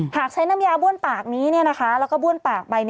หากใช้น้ำยาบ้วนปากนี้แล้วก็บ้วนปากไป